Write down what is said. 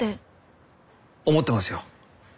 思ってますよ。